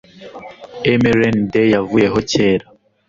mrnd yavuyeho kera